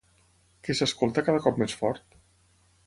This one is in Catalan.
Què s'escolta cada cop més fort?